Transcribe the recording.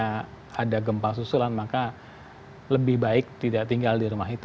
kalau mereka sudah mengalami susulan maka lebih baik tidak tinggal di rumah itu